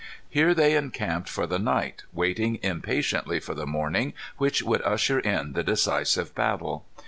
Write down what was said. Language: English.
Here they encamped for the night, waiting impatiently for the morning, which would usher in the decisive battle.